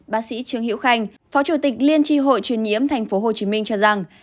bác sĩ trương hiễu khanh phó chủ tịch liên tri hội truyền nhiễm tp hcm cho rằng